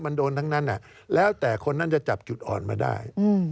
แบบของคนนั้นจะจับจุดอ่อนมาได้